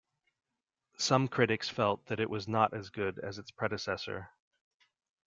Some critics felt that it was not as good as its predecessor.